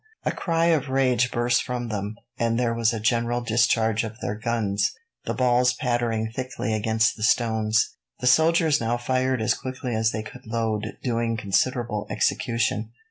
A cry of rage burst from them, and there was a general discharge of their guns, the balls pattering thickly against the stones. The soldiers now fired as quickly as they could load, doing considerable execution.